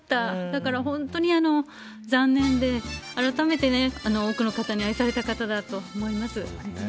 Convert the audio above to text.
だから本当に、残念で、改めて多くの方に愛された方だと思います。